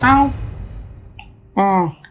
อืม